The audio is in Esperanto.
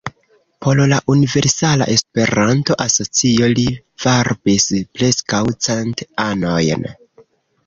Por la Universala Esperanto-Asocio li varbis preskaŭ cent anojn.